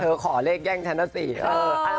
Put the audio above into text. เธอขอเลขแย่งฉันน่ะสิเออ